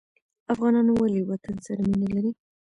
افغانان ولې وطن سره مینه لري؟